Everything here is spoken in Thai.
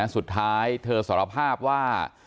สุดท้ายเธอสารภาพว่า